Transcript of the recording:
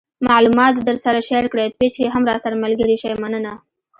معلومات د درسره شیر کړئ پیج کې هم راسره ملګري شئ مننه